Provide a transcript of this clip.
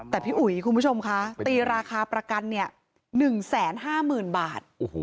แต่พี่อุ๋ยคุณผู้ชมคะตีราคาประกัน๑๕๐๐๐บาท